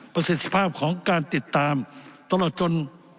สิทธิภาพของการติดตามตลอดจน